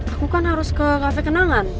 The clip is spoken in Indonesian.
aku kan harus ke kafe kenangan